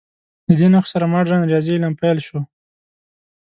د دې نښو سره مډرن ریاضي علم پیل شو.